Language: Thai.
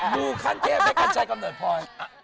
ดูคันเทพให้กันใช่กำหนดพอ